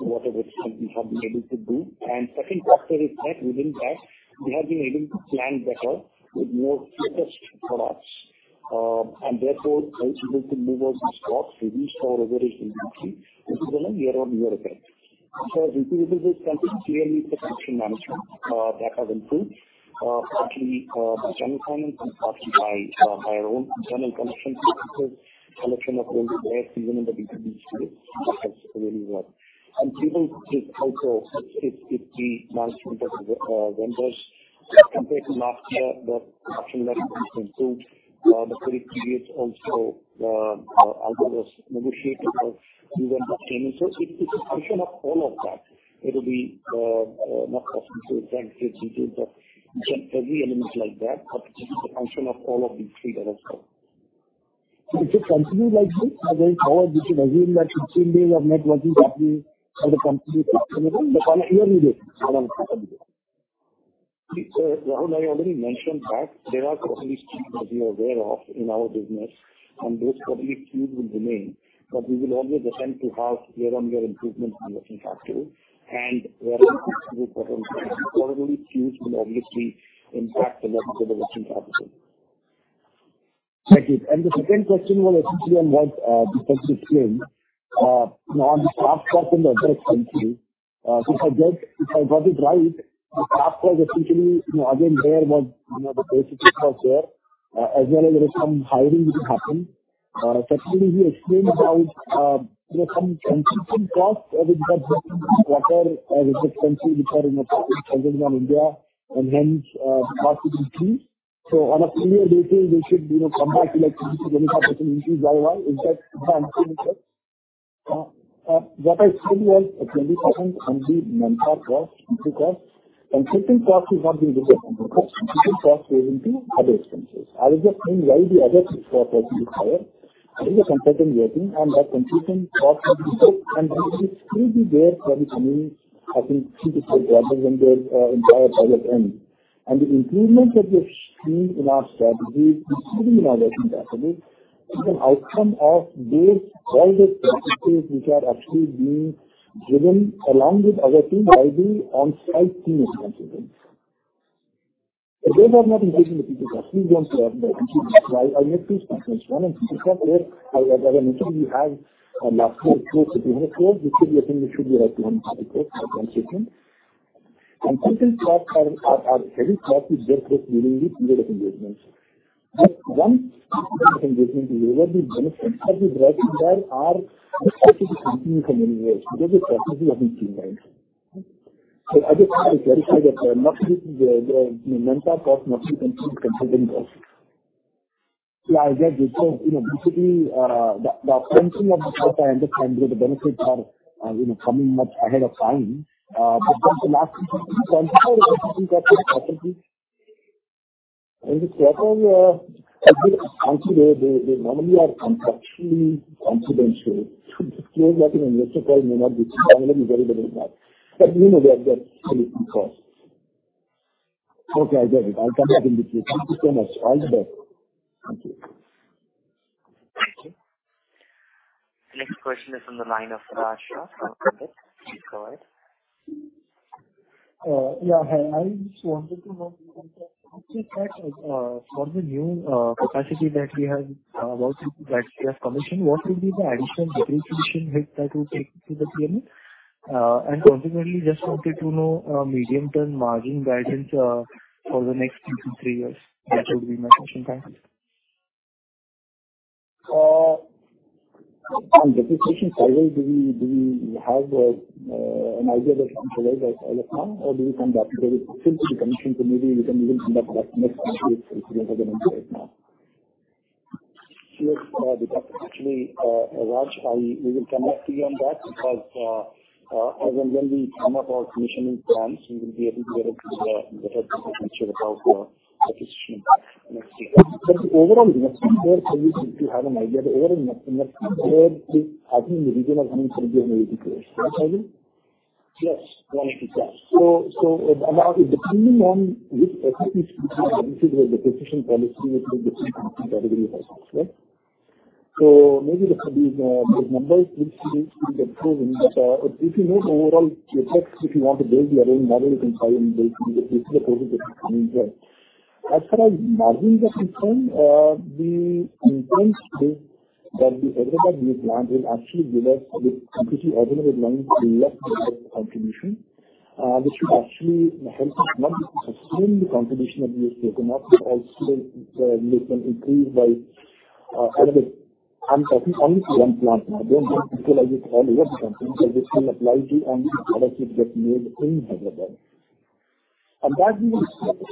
whatever which we have been able to do. And second factor is that within that, we have been able to plan better with more focused products, and therefore it's able to move out the stocks, reduce our overall inventory, which is a year-on-year effect. As you can see, clearly the collection management that has improved, partly by general comments and partly by our own internal collection practices, collection of overdue debt to remember the B2B space. That's really well. People is also the management of vendors. Compared to last year, the collection management improved. The credit periods also, although was negotiated during those tenures. It's a function of all of that. It'll be not possible to thank the details of each and every element like that, but this is a function of all of these three areas. If it continues like this, going forward, we should assume that improvement of net working capital for the company is similar on a year-on-year basis? Rahul, I already mentioned that there are probably issues that you're aware of in our business. Those probably issues will remain, we will always attempt to have year-on-year improvement in working capital. Where possible, probably issues will obviously impact the level of the working capital. Thank you. The second question was essentially on what you explained on the staff cost and the other expenses. If I got it right, the staff was essentially, you know, again, there was, you know, the basic cost there, as well as there was some hiring which happened. Secondly, you explained about, you know, some consulting costs which got better as expenses, which are in Present on India and hence the cost will increase. On a clear basis, they should, you know, come back to, like, 25% increase year on year. Is that the understanding, sir? What I said was a 20% on the mentor cost, into cost, and consulting cost is not being reduced, consulting cost goes into other expenses. I was just saying why the other 4% is higher. There is a consulting working and that consulting cost will be booked, and it will still be there for the coming, I think two to three quarters when the entire pilot ends. The improvement that you're seeing in our strategy, including in our working capital, is an outcome of those pilot practices which are actually being driven along with our team, probably on site team as well. Those are not included in the people cost. We want to have the opportunity. I made two statements. One, on people cost, where as I mentioned, we had last year close to INR 300 crore, which we are thinking should be like INR 250 crore approximation. Second cost are very costly, just as during the period of engagement. Just one engagement deliver the benefits that we brought in, there are expected to continue for many years because the processes have been streamlined. I just want to clarify that not the mentor cost, not the consulting cost. Yeah, I get it. You know, basically, the functioning of the cost, I understand where the benefits are, you know, coming much ahead of time. Just the last question, do you consider working capital property? In the quarter, as we announced today, they normally are contractually confidential. To disclose that in an investor call may not be possible, I'm not very good at that, but, you know, they are just fully informed. Okay, I get it. I'll come back with you. Thank you so much. All the best. Thank you. Thank you. Next question is on the line of Raj Shah from Ambit. Please go ahead. Yeah. Hi, I just wanted to know, for the new capacity that we have worked with that we have commissioned, what will be the additional depreciation hit that will take to the P&L? Consequently, just wanted to know, medium-term margin guidance, for the next 2-3 years. That would be my question. Thanks. On depreciation side, do we, do we have an idea that as of now or do we come back to it? Since the commission, so maybe we can even come back to that next week. It's a little bit right now. Look, actually, Raj Shah, we will come back to you on that because when we come up our commissioning plans, we will be able to get a better picture about the acquisition. But the overall next year sales, if you have an idea, the overall next year, I think in the region of 180 years. Is that right? Yes, 100 years. Depending on which specific the precision policy, which will determine category results, right? Maybe these numbers would still get proven, but if you know the overall effects, if you want to build your own model, you can try and build. This is the process that is coming here. As far as margins are concerned, we intend to that the available new plant will actually give us the completely available lines, less contribution, which should actually help us not only sustain the contribution that we have taken up, but also make them increase by, I'm talking only to one plant now, don't visualize it all over the company, because this will apply to only products which get made in Hyderabad. That will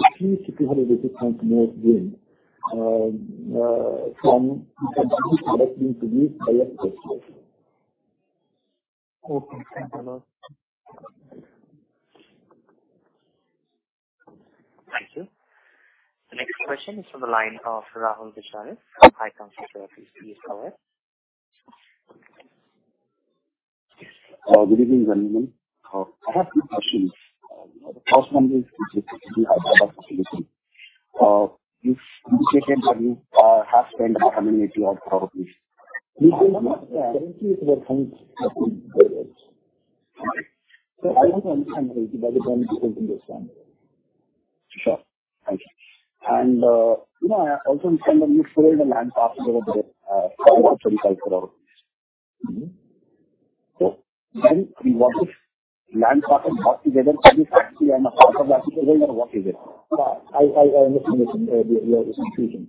actually 600 basis points more gain from being produced by us. Okay, thank you a lot. Thank you. The next question is from the line of Rahul Deshwani from ICICI. Please go ahead. Good evening, gentlemen. I have two questions. The first one is, which is a solution. If you can, have spent how many of your- We cannot guarantee it will come. Sorry. I want to understand by the time you continue this one. Sure. Thank you. You know, also in terms of you sold the land parcel there, for cultural. What if land parcel together is actually on the part of the article or what is it? I, I understand the, your confusion.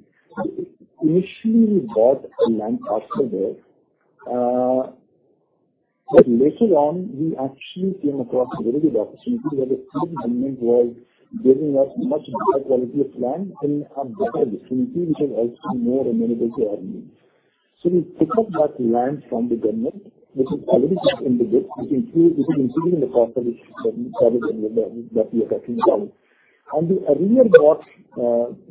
Initially, we bought a land parcel there. Later on, we actually came across a very good opportunity where the government was giving us much better quality of land and a better opportunity, which is also more amenable to our needs. We picked up that land from the government, which is already in the bit, which is included in the cost that we are talking about. The earlier bought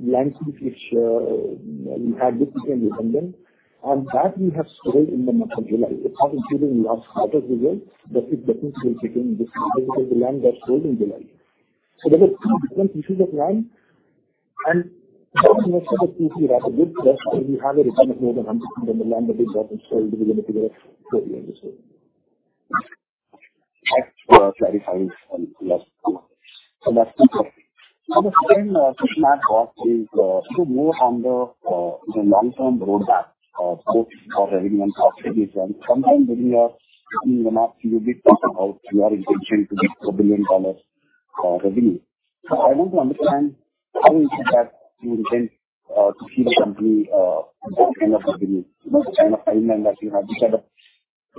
land, which we had, which became redundant, and that we have sold in the month of July. It's not included in the last quarter results, that is definitely between this, because the land got sold in July. There are 2 different issues of land, and most of the 2 is rather good because we have a return of more than 100x on the land that we bought and sold within a period of 3 years. Thanks for clarifying. Yes. That's correct. The second question I have got is, so more on the long-term roadmap, both for revenue and contribution. Sometime when you are in the market, you will be talking about your intention to be a $1 billion revenue. I want to understand how you think that you intend to see the company that kind of revenue, the kind of timeline that you have, which are the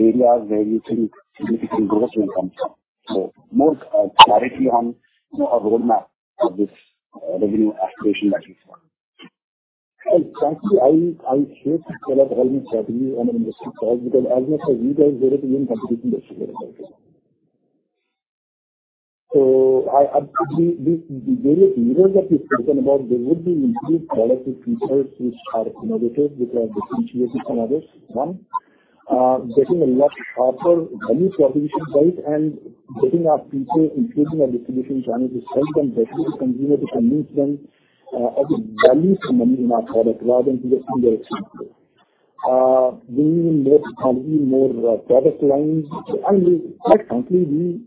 areas where you think significant growth will come from. More clarity on a roadmap for this revenue aspiration that you want. Well, frankly, I, I hate to tell up all strategy on an industry call, because as much as you guys, there is even competition. The various levers that we've spoken about, there would be increased product features which are innovative, which are differentiated from others. One, getting a lot offer value proposition, right, and getting our people, improving our distribution channel to sell them directly to consumer, to convince them, of the value for money in our product rather than just in their exchange. Bringing in more economy, more, product lines. Quite frankly,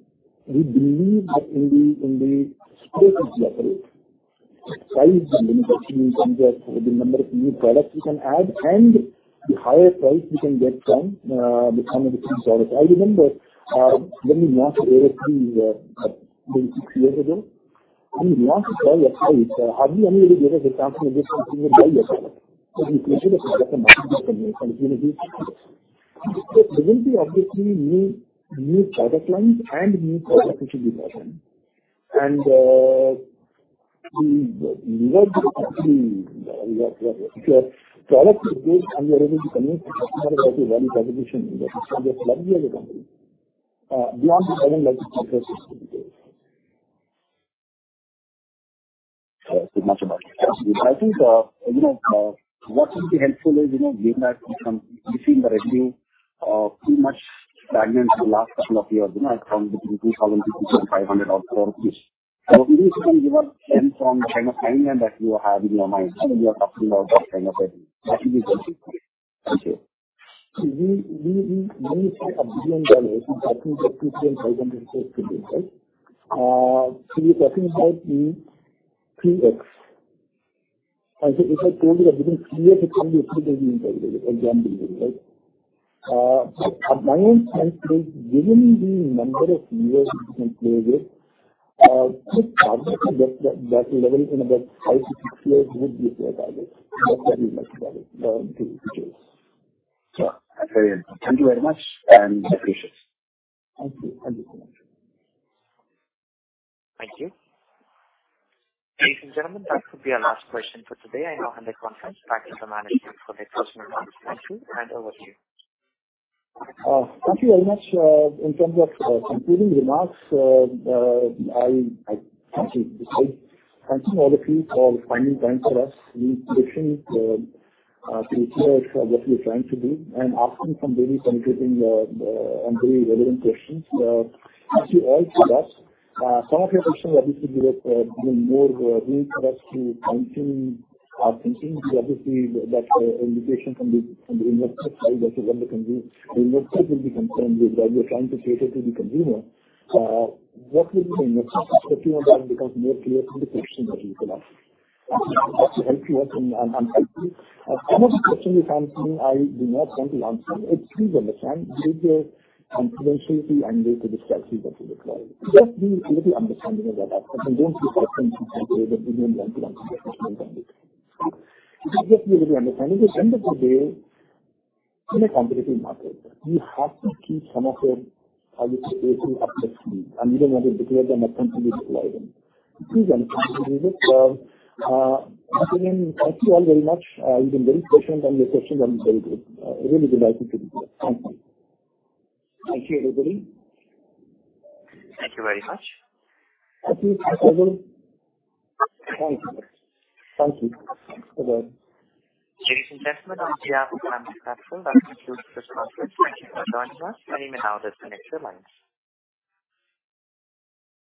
we believe that in the space level, size and investment in terms of the number of new products we can add and the higher price we can get from, the some of the products. I remember when we launched previously, 6 years ago, and we want to sell at high, hardly anybody was a transformation buy your product. We created a better market from it, and it is obviously new, new product lines and new product should be brought in. We were actually, your product is big, and we are able to convince the customer about the value proposition, which is likely as a company beyond the 7 electric vehicles. Thank much about it. I think, you know, what would be helpful is, you know, given that from we've seen the revenue, pretty much stagnant for the last 2 years, you know, from between 2,000 crore to 2,500 crore or 4. Can you give us some kind of timeline that you have in your mind when you are talking about that kind of revenue? That will be helpful. Thank you. We say $1 billion is between 2,500, right? So we're talking about the 3x. If I told you that within 3 years, it can be achieved inside, right? My own sense is, given the number of years we can play with, to get that level in about 5-6 years would be a fair target. That's what we like to call it, which is... Sure. Thank you very much, and appreciate. Thank you. Thank you so much. Thank you. Ladies and gentlemen, that will be our last question for today. I now hand the conference back to the management for their personal remarks. Thank you. Over to you. Thank you very much. In terms of concluding remarks, I, I thank you. Thanking all of you for finding time for us. We appreciate to hear what we're trying to do and asking some very penetrating and very relevant questions. Thank you all for that. Some of your questions, obviously, give us more will for us to continue our thinking, because obviously that invitation from the, from the investor side, that's what the investor will be concerned with, that we're trying to cater to the consumer. What we do in the next few months becomes more clear in the questions that you put up. I have to help you and, and help you. Some of the questions you're asking, I do not want to answer. It's please understand, due to confidentiality and way to discuss with you what we require. Just be a little understanding of that. I don't see questions which we may want to answer. Just be a little understanding. At the end of the day, in a competitive market, you have to keep some of your strategies up your sleeve, and even when you declare them, continue to provide them. Please understand this. Again, thank you all very much. You've been very patient, and your questions are very good, really good. Thank you. Thank you, everybody. Thank you very much. Thank you, everybody. Thank you. Thank you. Bye-bye. Ladies and gentlemen, on behalf of platform, that concludes this conference. Thank you for joining us. You may now disconnect your lines.